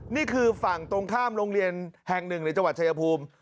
นี่คือฝั่งตรงข้ามโรงเรียนแห่งหนึ่งในจังหวัดชายภูมิ